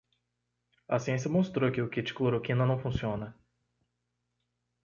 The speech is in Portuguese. A ciência mostrou que o kit cloroquina não funciona